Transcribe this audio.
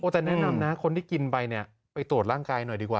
แต่แนะนำนะคนที่กินไปเนี่ยไปตรวจร่างกายหน่อยดีกว่า